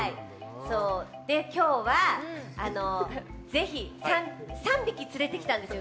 今日はぜひ３匹連れてきたんですよ